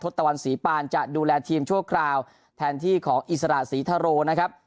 ตะวันศรีปานจะดูแลทีมชั่วคราวแทนที่ของอิสระศรีทะโรนะครับ